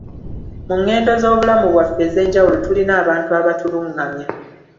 Mu ngendo z'obulamu bwaffe ez'enjawulo tulina abantu abatulungamya.